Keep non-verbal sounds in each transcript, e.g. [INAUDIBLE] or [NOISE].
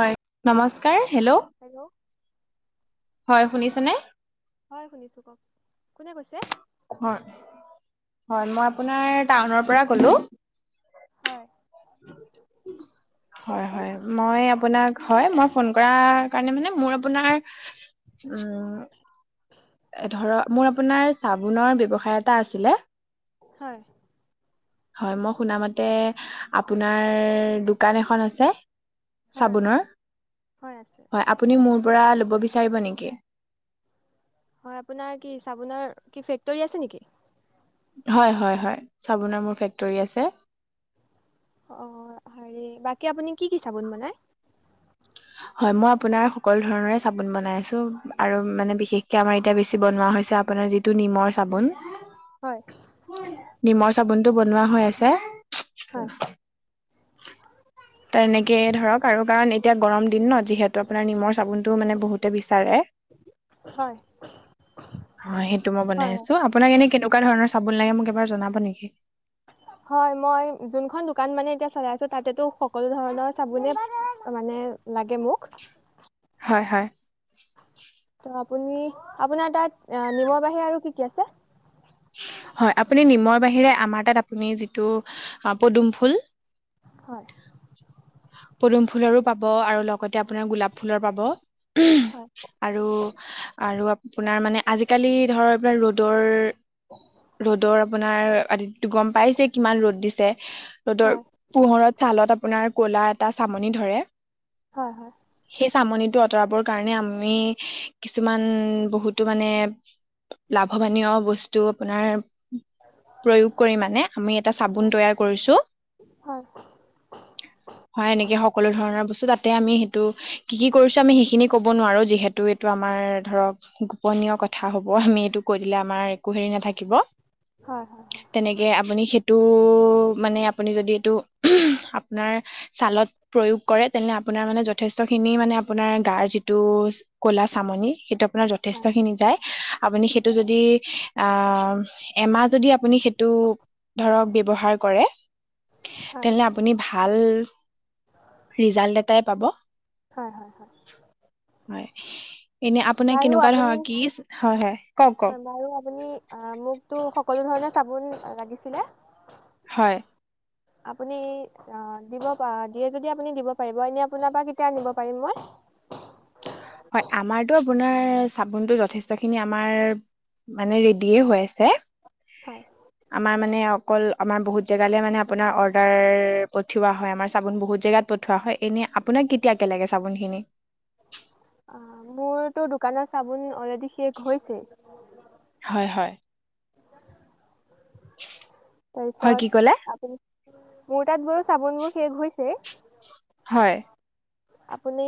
হয় নমস্কাৰ। হেল্ল' হয় শুনিছে নে। হয় শুনিছো কওক কোনে কৈছে। হয় মই আপোনাৰ টাউনৰ পৰা কলো। হয় উ হয় কওকচোন হয় মই আপোনাক হয় মই ফোন কৰ কাৰণে মানে মোৰ আপোনাৰ? উম ধৰ মোই আপোনাৰ। চাবোনৰ ব্যৱসায় এটা আছিলে? হয়। হয় মই শুনামতে আপোনাৰ দোকান এখন আছে? হয় হয় চাবোনৰ হয়। আপুনি মোৰ। ল'ব বিচাৰিব নেকি? হয় আপোনাৰ চাবোনৰ দোকান আছে নেকি। হয় হয় হয় চাবোনৰ মোৰ ফেক্টৰী আছে অ হেৰি বাকী আপুনি কি কি চাবোন বনাই। হয় মই আপোনাৰ সকলো ধৰণৰে চাবোন বনাই আছো আৰু মানে বিশেষকে আমাৰ এতিয়া বেছি বনোৱা। আপোনাৰ যিটো নিমৰ চাবোন- হয় নিমৰ চাবোনটো বনোৱা হৈ আছে। হয় তেনেকেই ধৰক আৰু কাৰণ এতিয়া গৰম দিন ন যিহেতু আপোনাৰ নিমৰ চাবোনটোও মানে বহুতে বিচাৰে। অ হয় সেইটো মই হয় বনাই আছো আপোনাক এনে কেনেকুৱা ধৰণৰ- চাবুন লাগে মোক এবাৰ জনাব নেকি? হয় মই যোনখন দোকান মানে এতিয়া চলাই আছো তাতেতো সকলো ধৰণৰ চাবোনে। মানে লাগে মোক- হয় হয়। ত আপুনি আপোনাৰ তাত নিমৰ বাহিৰে আৰু কি কি আছে- হয় আপুনি নিমৰ বাহিৰে আমাৰ তাত আপুনি যিটো পদুম, ফুল- হয়। পদুম ফুলৰো পাব আৰু লগতে আপোনাৰ গোলাপ ফুলৰ পাব। হয় আৰু আৰু আপোনাৰ মানে আজিকালি ধৰ এই ৰ'দ- ৰ'দৰ ৰ'দৰ আপোনাৰ আদটো গম পাইছে কিমান ৰ'দ দিছে। ৰ'দৰ হয় পোহৰত ছালত আপোনাৰ ক'লা এটা চামনি ধৰে হয় হয় চামনিটো আঁতৰাবৰ কাৰণে আমি কিছুমান বহুতো মানে। লাভৱানীয় বস্তু আপোনাৰ- প্ৰয়োগ কৰি মানে আমি এটা চাবোন তৈয়াৰ কৰিছো। হয় হয় [INAUDIBLE] হয় এনেকে সকলো ধৰণৰ বস্তু তাতে আমি সেইটো কি কি কৰিছো আমি সেইখিনি ক'ব নোৱাৰো যিহেতু এইটো আমাৰ, - ধৰক গোপনীয় কথা হব আমি এইটো কৈ দিলে আমাৰ একো হেৰি নাথাকিব। হয় হয় তেনেকে আপুনি। তটো মানে আপুনি যদি এইটো আপোনাৰ- ছালত প্ৰয়োগ কৰে তেনে আপোনাৰ মানে যথেষ্ট খিনি মানে আপোনাৰ গাৰ যিটো কলা চাম- নি সেইটো। হয় যথেষ্ট খিনি যায় আপোনি সেইটো যদি আ এমাহ যদি আপুনি সেইটো ধৰক ব্যৱহাৰ কৰে হয় তেনে আপুনি ভাল ৰিজাল এটাই পাব হয় এনে আপোনাৰ বাৰু কেনেকুৱা ধৰ আপুনি কি হয় হয় কওক কওক বাৰু আপুনি আহ মোকতো সকলো ধৰণে চাবোন লাগিছিলে হয় আপুনি দিয়ে যদি দিব পাৰিব এনে আপোনাৰ পৰা কেতিয়া আনিব পাৰিম মই হয় আমাৰতো আপোনাৰ চাবোনটো যথেষ্ট খিনি আমাৰ মানে ৰেডিয়ে হৈ আছে হয় আমাৰ মানে অকল আমাৰ বহুত জাগা পঠিয়ালে মানে আপোনাৰ অৰ্ডাৰ পঠিওৱা হয় আমাৰ চাবোন বহুত জেগাত পঠিওৱা হয় এনেই আপোনাক কেতিয়াকে লাগে? চাবোনখিনি অ মোৰতো দোকানৰ চাবোন অলৰেডি শেষ হৈছে হয় হয় হয় কি ক'লে তাৰপিছত আপুনি মোৰ তাত বাৰু চাবোন বোৰ শেষ হৈছে হয় আপুনি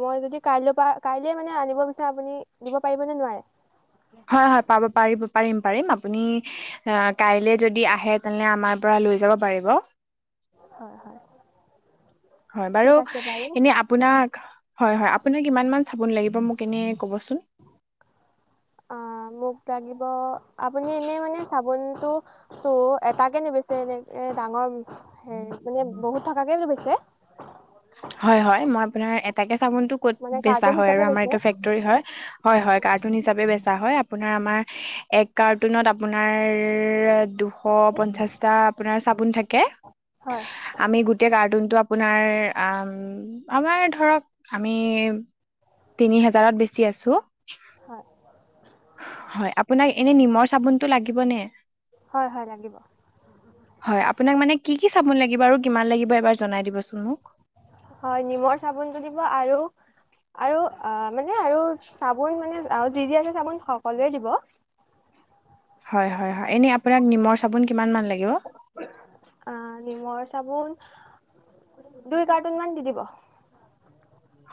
মই যদি কাইলৈ কাইলে মানে আনিব বিচাৰো আপুনি দিব পাৰিবনে নোৱাৰে? হয় হয় পাব পাৰিব পাৰিম পাৰিম আপুনি কাইলে যদি আহে তেনে আমাৰ পৰা লৈ যাব পাৰিব অ অ হয় বাৰু এনে আপোনাক হয় হয় আপোনাক কিমান মান চাবোন লাগিব মোক এনে কবচোন? চ [INAUDIBLE] অ, মোক লাগিব আপুনি এনে মানে চাব চোন। ত, ত এটাকে নিবিছে এনেকে ডাঙৰ হে মানে বহুত থকাকে নিবিছে। হয়, হয় মই আপোনাৰ এটাকে চাবোন টো ক'ত মানে বেছা কাৰ্টুন হয় আৰু হিচাপে আমাৰ বেচে এইটো ফেক্টৰী হয়, হয় হয় কাৰ্টুন হিচাপে বেছা হয়, আপোনাৰ আমাৰ- এক কাৰ্টুনত আপোনাৰ আপোনাৰ চাবোন থাকে। হয় আমি গোটেই কাৰ্টুন তো আপোনাৰ আপোনাৰ আমাৰ ধৰক আমি তিনি হাজাৰত বেছি আছোঁ। হয় হয়, আপোনাক এনে নিমৰ চাবোনতটো লাগিব নে? হয়, হয় লাগিব। হয় আপোনাক মানে কি কি চাবোন লাগিব আৰু কিমান লাগিব এবাৰ জনাই দিবচোন মোক? হয়, নিমৰ চাবোনটো দিব আৰু আৰু মানে আৰু চাবোন মানে যি, যি আছে চাবোন সকলোৱে দিব। হয়, হয়, হয় এনে আপোনাক নিমৰ চাবোন কিমান মান লাগিব অ, নিমৰ চাবোন। দুই কাৰ্টুন মান দি দিব।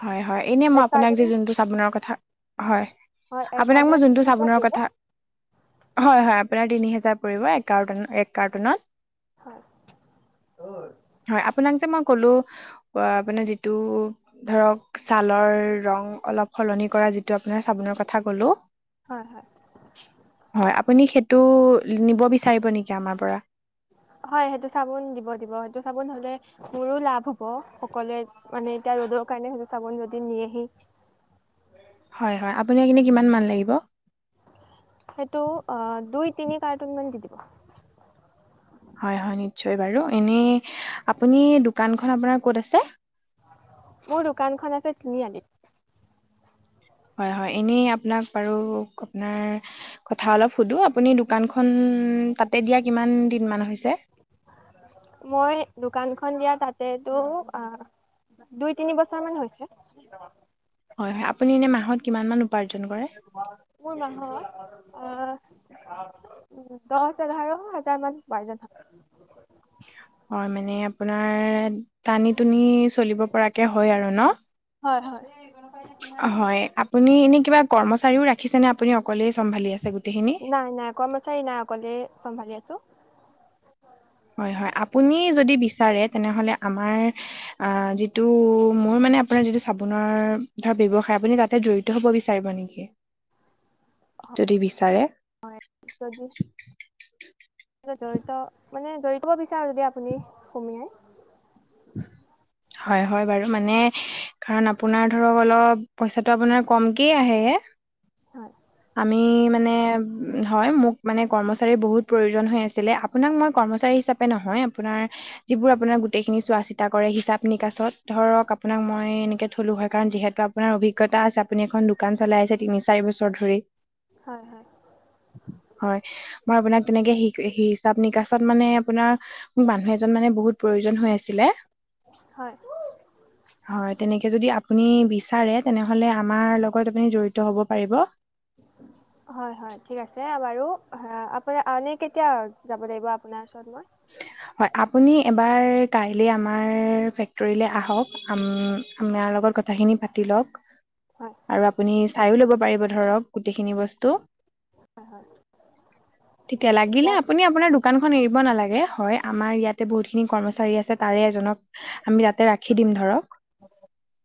হয়, হয় এনে মই এক আপোনাক কাৰ্টুন যে যোনটো চাবোনৰ কথা হয়, হয় এক আপোনাক মই কাৰ্টুনত যোনটো তিনি হাজাৰ চাবোনৰ পৰিব কথা, হয়, হয় আপোনাৰ তিনি হেজাৰ পৰিব, এক কাৰ্টুনত। হয় হয়, আপোনাক যে মই কলো পৰা আপোনাৰ মানে যিটো ধৰক ছালৰ ৰং অলপ সলনি কৰা যিটো আপোনাৰ চাবোনৰ কথা কলো। হয় হয় হয়, আপুনি সেইটো নিব বিচাৰিব নেকি আমাৰ পৰা হয়, সেইটো চাবোন দিব, দিব। সেইটো চাবোন হলে মোৰো লাভ হব সকলোৱে মানে এতিয়া ৰ'দৰ কাৰণে সেই চাবোন যদি নি আহি হয়, হয় আপোনাক এনে কিমান মান লাগিব? সেইটো অ দুই তিনি কাৰ্টুন [INAUDIBLE] হয়, হয় নিশ্চয় বাৰু এনে আপুনি দোকানখন আপোনাৰ ক'ত আছে? মোৰ দোকানখন আছে তিনিআলি। হয়, হয় এনে আপোনাক বাৰু আপোনাৰ কথা অলপ সোধো, আপোনাৰ দোকান খন খন তাতে দিয়া কিমান দিন মান হৈছে? মই দোকানখন দিয়া তাতেতো অ, দুই তিনি বছৰ মান হৈছে। হয় হয়, আপুনি এনেই মাহত কিমান মান উপাৰ্জন কৰে? [UNINTELLIGIBLE] আহ, দছ এঘাৰ হাজাৰ মান উপাৰ্জন হয়। হয়, মানে আপোনাৰ টানি-টুনি চলিব পৰাকে হয় আৰু ন? হয় হয় হয়, আপুনি এনে কিবা কৰ্মচাৰীও ৰাখিছে নে আপুনি অকলেই চম্ভালি আছে গোটেইখিনি? নাই নাই কৰ্মচাৰী নাই অকলে চম্ভালি আছোঁ। হয়, হয়। আপুনি যদি বিচাৰে তেনেহলে আমাৰ অ, যিটো মোৰ ম আপোনাৰ যিটো চাবোনৰ ধৰ ব্যৱসায় আপুনি তাতে জড়িত হব বিচাৰিব নেকি? যদি বিচাৰে? [UNINTELLIGIBLE] জড়িত মানে জড়িত হব বিচাৰো। যদি আপুনি সুমিয়াই। হয় হয় বাৰু। মানে কাৰণ আপোনাৰ ধৰক অলপ পইচাটো আপোনাৰ কমকে আহে এ হয় আমি মানে হয়, মোক মানে কৰ্মচাৰীৰ বহুত প্ৰয়োজন হৈ আছিলে। আপোনাক মই কৰ্মচাৰী হিচাপে নহয়, আপোনাক নাৰ যিবোৰ আপোনাৰ গোটেই খিনি চোৱা চিতা কৰে হিচাপ নিকাচত, ধৰক আপোনাক মই এনেকে থলো হয় কাৰণ যিহেতু আপোনাৰ অভিজ্ঞতা আছে আপুনি এখন দোকান চলাই আছে তিনি চাৰি বছৰ ধৰি হয় হয়। হয়। মই আপোনাক তেনেকে হিচাপ নিকাচত মানে আপোনাৰ মোক মানুহ এজন মানে বহুত প্ৰয়োজন হৈ আছে। [UNINTELLIGIBLE] হয় হয়, তেনেকে যদি আপুনি বিচাৰে তেনেহলে আমাৰ লগত‌ আপুনি জৰিত হব পাৰিব। হয় হয় ঠিক আছে। বাৰু আপোনাৰ আনে কেতিয়া যাব লাগিব আপোনাৰ ওচৰত মই? [INAUDIBLE] হয় আপুনি এবাৰ কাইলে আমাৰ ফেক্টৰীলে আহক, আম - আমাৰ ল কথাখিনি পাতি লওক হয় আৰু আপুনি চাইও ল'ব পাৰিব ধৰক গোটেইখিনি বস্তু। তেতিয়া লাগিলে বা আপুনি আপোনাৰ দোকানখন এৰিব নালাগে। হয় আমাৰ ইয়াতে বহুত খিনি কৰ্মচাৰী আছে, তাৰে এজনক আমি তাতে ৰাখি দিম ধৰক।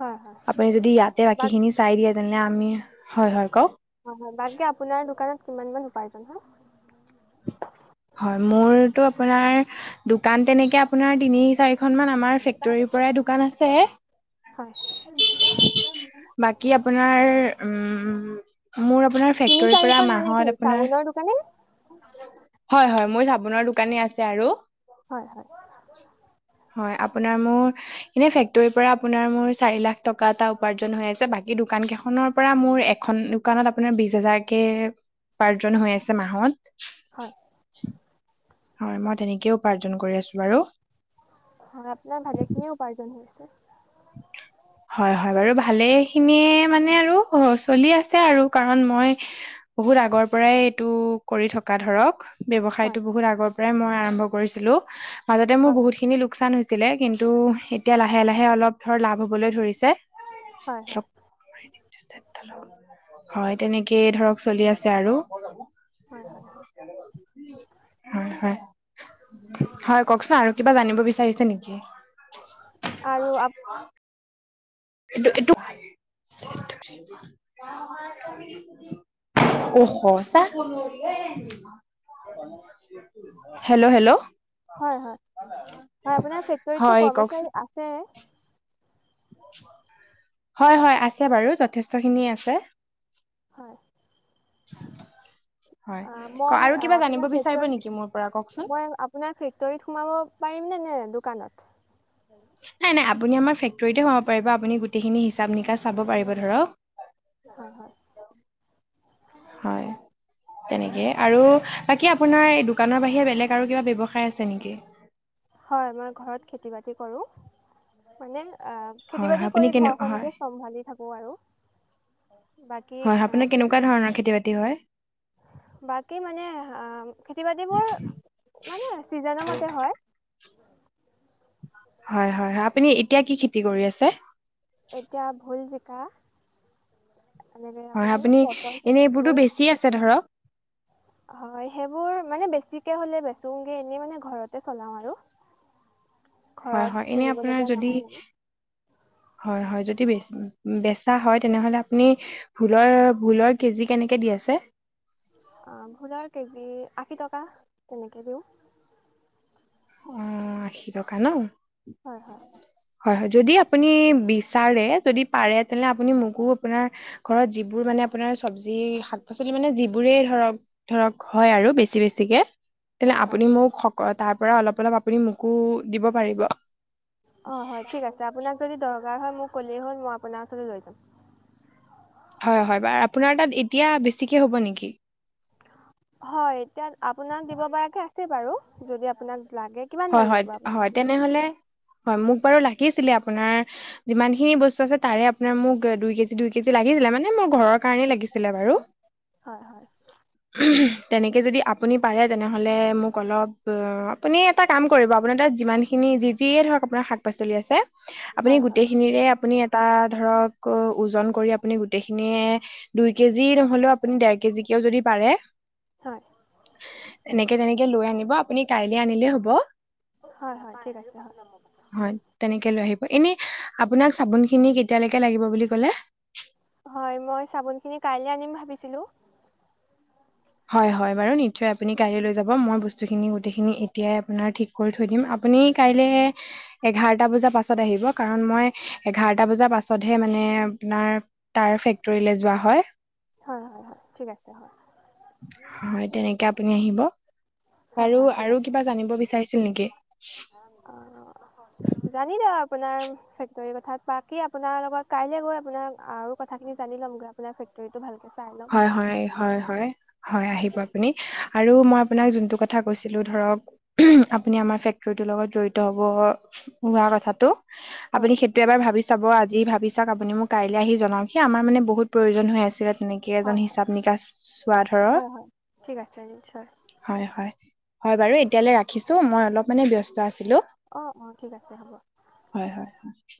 হয় হয় আপুনি যদি ইয়াতে বাক বাকীখিনি চাই দিয়ে তেনে আমি, হয় হয় কওক। হয় হয়। বাকী আপোনাৰ দোকানত কিমানমান উপাৰ্জন হয়? হয়, মোৰটো আপোনাৰ দোকান তেনেকে আপোনাৰ তিনি চাৰিখন মান আমাৰ ফেক্টৰীৰ পৰাই দোকান আছে। হয়। বাকী আপোনাৰ উম মোৰ আপোনাৰ তিনি ফেক্টৰিৰ পৰা চাৰিখন মানে কি মাহত আপোনাৰ চাবোনৰ দোকানে হয় হয় মোৰ চাবোনৰ দোকানী আছে আৰু। হয় হয় হয় আপোনাৰ মোৰ এনে ফেক্টৰীৰ পৰা আপোনাৰ মোৰ চাৰি লাখ টকা এটা উপাৰ্জন হৈ আছে, বাকী দোকান কেইখনৰ পৰা মোৰ এখন দুকানত আপোনাৰ বিশ হাজাৰকে উপাৰ্জন হৈ আছে মাহত। হয় হয় মই তেনেকেই উপাৰ্জন কৰি আছো বাৰু। হয় আপোনাৰ ভালেখিনিয়ে [INAUDIBLE] [INAUDIBLE] হয় হয় বাৰু, ভালে খিনিয়ে মানে আৰু চলি আছে আৰু। কাৰণ মই বহুত আগৰ পৰাই এইটো কৰি থকা ধৰক। ব্যৱসায়তো হয় বহুত আগৰ পৰাই মই আৰম্ভ কৰিছিলোঁ। মাজতে মোৰ হয় বহুত খিনি লোকচান হৈছি‌ লে, কিন্তু এতিয়া লাহে লাহে অলপ ধৰ লাভ হ'বলৈ ধৰিছে হয় হয়। হয় তেনেকেই ধৰক চলি আছে আৰু। হয় হয়। হয় কওকচোন আৰু কিবা জানিব বিচাৰিছে নেকি? আৰু অ [UNINTELLIGIBLE] এইটো এইটো হ চা [UNINTELLIGIBLE] হেল্ল, ' হেল্ল', হয় হয় হয় আপোনাৰ ফেক্টৰীতটো হয় কৰ্মচাৰী কওকচোন। আছে হয় হয় আছে বাৰু যথেষ্ট খিনি আছে। হয়। [UNINTELLIGIBLE] অ মই আৰু কিবা জানিব বিচাৰিব আপোনাৰ নেকি মোৰ পৰা কওকচোন মই আপোনাৰ ফেক্টৰীত সোমাব পাৰিমনে নে দোকানত? নাই নাই আপুনি আমাৰ ফেক্টৰীতে, সোমাব পাৰিব, আপুনি গোটেইখিনি হিচাপ নিকা চাব পাৰিব ধৰক। হয় হয়। হয়। তেনেকে আৰু বাকী আপোনাৰ এই দোকানৰ বাহিৰে বেলেগ আৰু কিবা ব্যৱসায় আছে নেকি? হয় মই ঘৰত খেতি বাতি কৰো। মানে আহ খেতি হয় হয় বাতি আপুনি কৰি কেনে হয় ঘৰখনকে চম্ভালি থাকো। আৰু বাকী হয়', অ' আপুনি খেতি কেনেকুৱা ধৰণৰ খেতি বাতি হয়? বাকী মানে অ', খেতি বাতিবোৰ মানে, ছিজনৰ মতে হয় হয়', - হয়', - হয়', আপুনি এতিয়া কি খেতি কৰি আছে? এতিয়া ভোল, জিকা, এনেকে আকৌ হয়,। আপুনি পটল চটল এনেই সেইবোৰ এইবোৰতো বেছি আছে ধৰক হয়', সেইবোৰ মানে বেছি বেছিকৈ হ'লে, বেচুঙে এনেই মানে ঘৰতে চলাওঁ আৰু হয়', - ঘৰত হয়', এনে আপোনাৰ কিনিবলগীয়া যদি নহয় মানে। হয়', - হয়', যদি বে বেচা হয় তেনেহলে আপুনি ভোলৰ ভোলৰ কেজি কেনেকে দি আছে? [UNINTELLIGIBLE] অ', ভোলৰ কেজি, আশী টকা, তেনেকৈ দিওঁ উমম', আশী টকা ন? অ', -অ', হয়', - হয়', যদি আপুনি বিচাৰে, যদি পাৰে তেনেহ'লে আপুনি মোকো আপোনাৰ ঘৰত যিবোৰ মানে আপোনাৰ চব্জি শাক-পাচলি মানে যিবোৰে ধৰক ধৰক হয় আৰু বেছি বেছিকে তেনে হয় হয়। আপুনি মোক সক', -তাৰ পৰা অলপ অলপ আপুনি মোকো দিব পাৰিব? অ', হয়', ঠিক, আছে, আপোনাক যদি দৰক দৰকাৰ হয় মোক ক'লেই হ'ল মই আপোনাৰ ওচৰলৈ লৈ যাম। হয়', - হয়', বাৰু আপোনাৰ তাত এতিয়া বেছিকে হ'ব নেকি? হয়', এতিয়া আপোনাক দিব পৰাকে আছে বাৰু যদি আপোনাক লাগে কিমান মান হয়', - লাগিব হয়', - আপোনাক হয়', দিবলে তেনেহলে হয় মোক বাৰু লাগিছ লাগিছিলে আপোনাৰ যিমানখিনি বস্তু আছে তাৰে আপোনাৰ মোক দুই কেজি দুই কেজি লাগিছিলে মানে মোৰ ঘৰত কাৰে লাগিছিলে বাৰু হয় হয় হুম', -হুম', তেনেকে যদি আপুনি পাৰে তেনেহ'লে, মোক অলপ অ', আপুনি এটা কাম কৰিব আপুনি তাত যিমানখিনি যি যিয়ে ধৰক আপোনাৰ শাক পাচলি আছে আপুনি হয় হয় গোটেইখিনিৰে আপুনি তাৰ ধৰক ওজন কৰি আপুনি গোটেইখিনিয়ে দুই কেজি নহলেও আপুনি দেৰ কেজিকেও যদি পাৰে হয় এনেকে তেনেকে হে', লৈ আনিব আপুনি কাইলৈ আনিলেই হ'ব হয়', - হয়', - ঠিক আছে। এনে হিঃ', আপোনাক চাবোন খিনি কেতিয়ালৈকে লাগিব বুলি কলে? হয়', মই চাবোন খিনি কাইলে আনিম ভাবিছিলোঁ হয় বাৰু নিশ্চয় আপুনি কাইলে লৈ যাব মই বস্তুখিনি গোটেইখিনি এতিয়াই আপোনাৰ ঠিক কৰি থৈ দিম আপুনি কাইলে এঘাৰটা বজাৰ পাছত আহিব কাৰণ মই এঘাৰটা বজাৰ পাছতহে মানে আপোনাৰ তাৰ ফেক্টৰীলৈ যোৱা হয়। হয়', - হয়', - হয়', ঠিক আছে হয়। হয়', তেনেকে আপুনি আহিব হয় আৰু আৰু কিবা জানিব বিচাৰিছে নেকি? অঁ! জানিলো আপোনাৰ ফেক্টৰীৰ কথা বাকী আপোনাৰ লগত কাইলৈ গৈ আপোনাৰ আৰু কথাখিনি আমি জানি লম গৈ আপোনাৰ ফেক্টৰীটো ভালকে হয়', -হয়', -হয়', -হয়', -হয়', - আহিব আপুনি অ', আৰু মই আপোনাক যোনটো কথ কথা কৈছিলোঁ ধৰক হ'ম', আপুনি আমাৰ ফেক্টৰীটোৰ লগত জড়িত হ'ব হোৱা কথাটো হয় আপুনি সেইটো এবাৰ ভাবি চাব আজি যি ভাবি চাওঁক আপুনি মোক কাইলৈ আহি জনাওকহি আমাৰ মান বহুত প্ৰয়োজন হৈ আছিলে ইয়াত তেনেকে এজন হয় হয় হিচাপ নিকাচ চোৱা ধৰক হয় হয় ঠিক আছে নিশ্চয় হয়', - হয়', - হয়', বাৰু এতিয়ালৈ ৰাখিছোঁ মই অল অলপ মানে ব্যস্ত আছিলোঁ অ অ ঠিক আছে হ'ব হয়', -হয়',